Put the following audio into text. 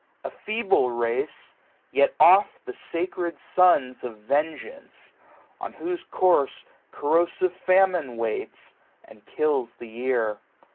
A feeble race ! yet oh The sacred sons of vengeance ; on whose courfe Corrosive famine waits, and kills the year.